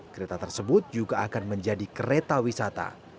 kereta tersebut juga akan menjadi kereta wisata